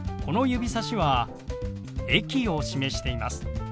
この指さしは駅を示しています。